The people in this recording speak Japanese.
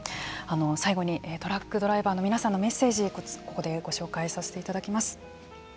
最後にトラックドライバーの皆さんのメッセージここでご紹介させていただきます。